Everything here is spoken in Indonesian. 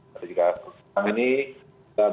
kalau kita mencari